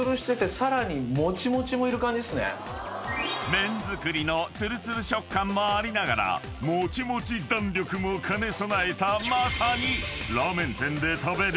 ［麺づくりのツルツル食感もありながらもちもち弾力も兼ね備えたまさに］